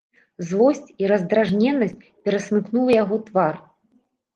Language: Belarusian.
Злосць і раздражненасць перасмыкнула яго твар.